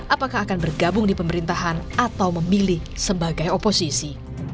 apakah akan bergabung di pemerintahan atau memilih sebagai oposisi